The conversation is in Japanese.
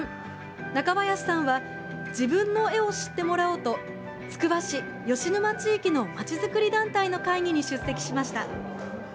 中林さんは自分の絵を知ってもらおうとつくば市吉沼地域の町づくり団体の会議に出席しました。